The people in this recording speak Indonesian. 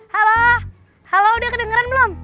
halo halo udah kedengeran belum